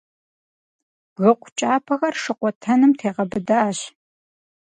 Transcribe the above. Бгыкъу кӀапэхэр шыкъуэтэным тегъэбыдащ.